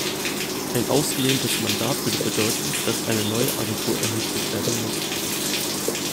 Ein ausgedehntes Mandat würde bedeuten, dass eine neue Agentur errichtet werden muss.